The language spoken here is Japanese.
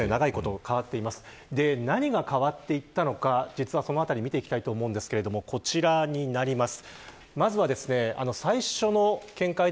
何が変わっていったのかを見ていきたいと思いますがこちらになります。